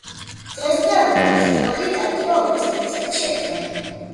დღესდღეობით ფესტივალი ტარდება ორ წელიწადში ერთხელ.